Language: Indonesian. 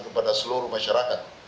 kepada seluruh masyarakat